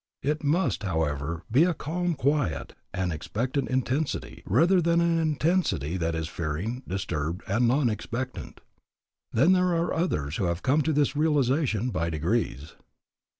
_It must, however, be a calm, quiet, and expectant intensity, rather than an intensity that is fearing, disturbed, and non expectant_. Then there are others who have come to this realization by degrees.